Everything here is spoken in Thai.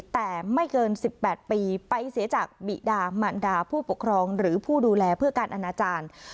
แต่ไม่เกิน๑๘ปีไปเสียจากบิดามันดาผู้ปกครองหรือผู้ดูแลเพื่อการอนาจารย์